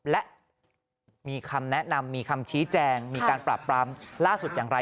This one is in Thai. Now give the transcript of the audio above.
และมีคำแนะนำมีคำชี้แจงมีการปราบปรามล่าสุดอย่างไร